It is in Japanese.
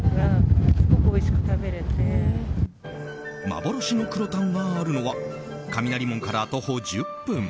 幻の黒タンがあるのは雷門から徒歩１０分